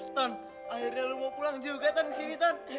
tuan akhirnya lo mau pulang juga tuan sini tuan